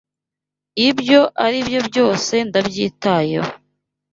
Ibyo aribyo byose ndabyitayeho.